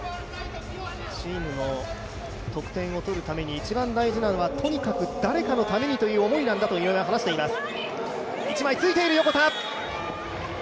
チームの得点を取るために一番大事なのはとにかく誰かのためにという思いなんだと話しています。